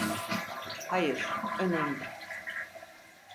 Hayır, önemli.